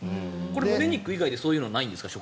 胸肉以外でそういうのはないんですか？